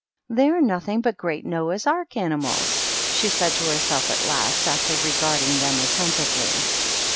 "They are nothing but great Noah's Ark animals," she said to herself at last, after regarding them attentively.